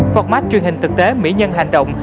format truyền hình thực tế mỹ nhân hành động